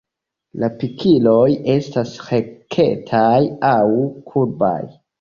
La pikiloj estas rektaj aŭ kurbaj.